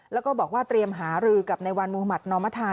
แล้วก็บอกว่าเตรียมหารือกับในวันมุหมัตินอมธา